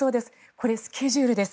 これはスケジュールです。